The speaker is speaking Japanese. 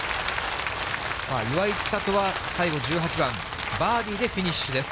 岩井千怜は、最後１８番、バーディーでフィニッシュです。